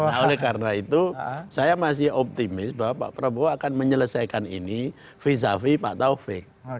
nah oleh karena itu saya masih optimis bahwa pak prabowo akan menyelesaikan ini fezafi pak taufik